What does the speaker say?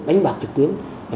đánh bạc trực tuyến